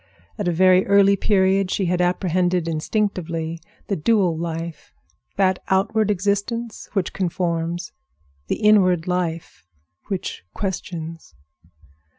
At a very early period she had apprehended instinctively the dual life—that outward existence which conforms, the inward life which questions.